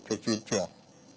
về truyền truyền